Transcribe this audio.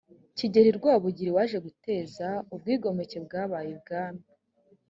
kigeri rwabugiri waje guteza ubwigomeke bwabaye ibwami